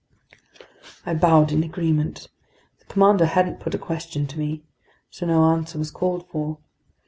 I bowed in agreement. The commander hadn't put a question to me. So no answer was called for.